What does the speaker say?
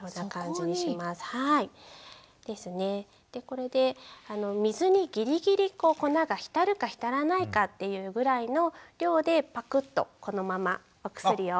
これで水にギリギリ粉が浸るか浸らないかというぐらいの量でパクッとこのままお薬を。